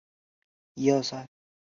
不能转乘反方向列车。